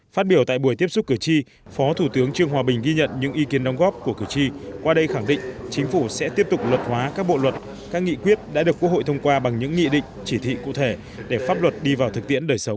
phát biểu tại buổi tiếp xúc cử tri phó thủ tướng trương hòa bình ghi nhận những ý kiến đóng góp của cử tri qua đây khẳng định chính phủ sẽ tiếp tục luật hóa các bộ luật các nghị quyết đã được quốc hội thông qua bằng những nghị định chỉ thị cụ thể để pháp luật đi vào thực tiễn đời sống